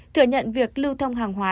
thừa nhận việc lưu thông hàng hóa